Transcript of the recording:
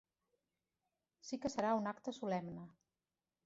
Sí que serà un acte solemne.